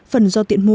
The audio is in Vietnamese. phần do tiện mua